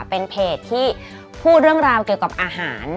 เป็นเพจที่พูดเรื่องราวเกี่ยวกับอาหาร